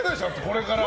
これから。